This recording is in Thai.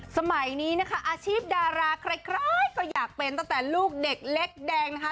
สมัยนี้นะคะอาชีพดาราใครก็อยากเป็นตั้งแต่ลูกเด็กเล็กแดงนะคะ